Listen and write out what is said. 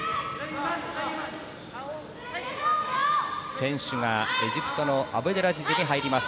先取がエジプトのアブデラジズに入ります。